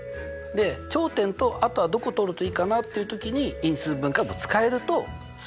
で頂点とあとはどこ通るといいかなっていう時に因数分解も使えるとすごくいいわけですよ。